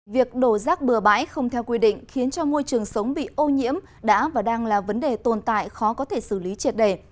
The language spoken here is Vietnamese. việc đổ rác bừa bãi không theo quy định khiến cho môi trường sống bị ô nhiễm đã và đang là vấn đề tồn tại khó có thể xử lý triệt đề